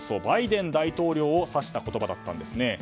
バイデン大統領を指した言葉だったんです。